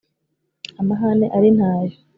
amahane ari nta yo